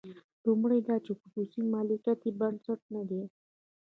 لومړی دا چې خصوصي مالکیت یې بنسټ نه دی.